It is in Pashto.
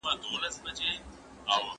مذهبي ازادي تر بل هر حق ډيره مهمه ده.